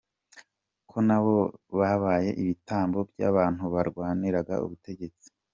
Ko nabo babaye ibitambo by’abantu barwaniraga ubutegetsi?